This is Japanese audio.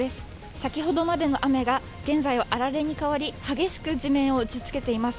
先ほどまでの雨が現在はあられに変わり、激しく地面を打ちつけています。